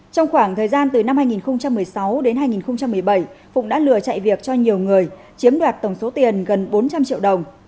trong khoảng thời gian từ năm hai nghìn một mươi sáu đến hai nghìn một mươi bảy phụng đã lừa chạy việc cho nhiều người chiếm đoạt tổng số tiền gần bốn trăm linh triệu đồng